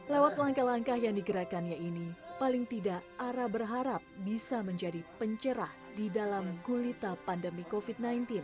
lewat langkah langkah yang digerakkannya ini paling tidak ara berharap bisa menjadi pencerah di dalam gulita pandemi covid sembilan belas